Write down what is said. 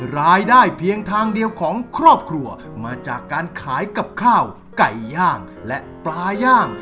รายได้เพียงทางเดียวของครอบครัวมาจากการขายกับข้าวไก่ย่างและปลาย่าง